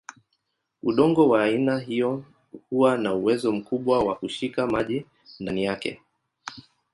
Udongo wa aina hiyo huwa na uwezo mkubwa wa kushika maji ndani yake.